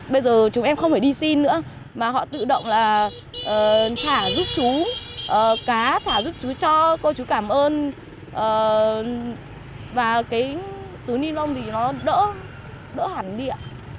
bây giờ chúng em không phải đi xin nữa mà họ tự động là thả giúp chú cá thả giúp chú cho cô chú cảm ơn và cái túi ni lông thì nó đỡ hẳn địa